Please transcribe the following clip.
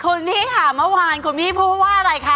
คุณนี่ค่ะเมื่อวานคุณพี่พูดว่าอะไรคะ